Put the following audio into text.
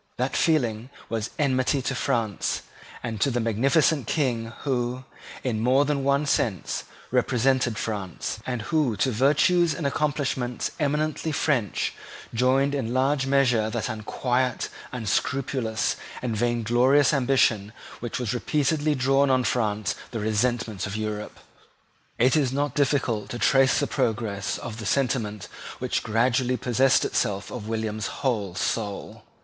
That feeling was enmity to France, and to the magnificent King who, in more than one sense, represented France, and who to virtues and accomplishments eminently French joined in large measure that unquiet, unscrupulous, and vainglorious ambition which has repeatedly drawn on France the resentment of Europe. It is not difficult to trace the progress of the sentiment which gradually possessed itself of William's whole soul.